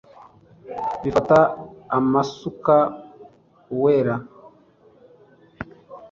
bifate amasuka uwera